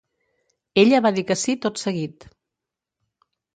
Ella va dir que sí tot seguit